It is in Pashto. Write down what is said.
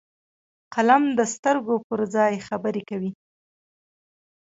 قلم د سترګو پر ځای خبرې کوي